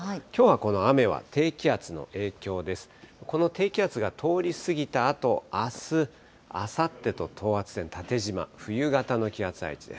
この低気圧が通り過ぎたあと、あす、あさってと等圧線縦じま、冬型の気圧配置です。